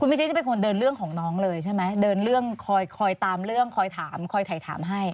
ไม่ใช่จะเป็นคนเดินเรื่องของน้องเลยใช่ไหมเดินเรื่องคอยตามเรื่องคอยถามคอยถ่ายถามให้